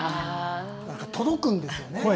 なんか届くんですよね。